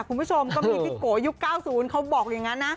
คุณผู้ชมก็มีพี่โกยุค๙๐เขาบอกอย่างนั้นนะ